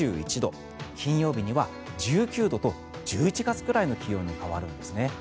金曜日には１９度と１１月くらいの気温に変わるんですね。